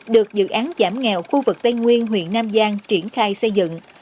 được dự án giảm nghèo khu vực tây nguyên huyện nam giang triển khai xây dựng